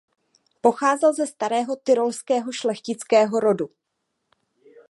Pocházel ze starého tyrolského šlechtického rodu.